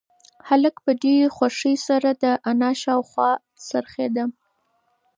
هلک په ډېرې خوښۍ سره د انا شاوخوا څرخېده.